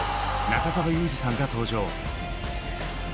中澤佑二さんが登場。